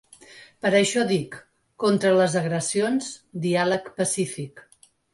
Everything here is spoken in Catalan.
Per això dic: contra les agressions, diàleg pacífic.